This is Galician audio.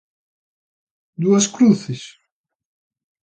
¿Dúas cruces?